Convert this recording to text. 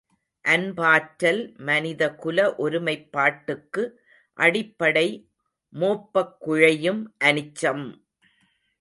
அன்பாற்றல் மனிதகுல ஒருமைப்பாட்டுக்கு அடிப்படை மோப்பக் குழையும் அனிச்சம்!